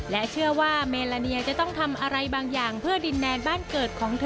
และเชื่อว่าเมลาเนียจะต้องทำอะไรบางอย่างเพื่อดินแดนบ้านเกิดของเธอ